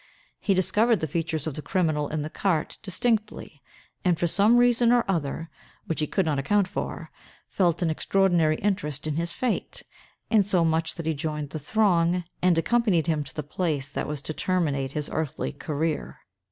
He discovered the features of the criminal in the cart distinctly; and, for some reason or other, which he could not account for, felt an extraordinary interest in his fate—insomuch that he joined the throng, and accompanied him to the place that was to terminate his earthly career.